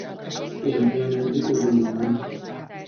Igandean argituz joango da.